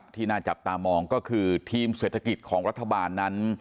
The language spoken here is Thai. ที่น่าจับตามองก็คือทีมเศรษฐกิจของรัฐบาลนั้น